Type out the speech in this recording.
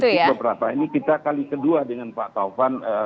nah ini yang saya ceritakan beberapa ini kita kali kedua dengan pak taufan